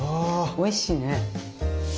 おいしいね。